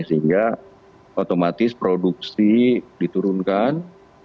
sehingga otomatis produksi diturunkan